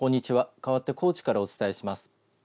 かわって高知からお伝えします。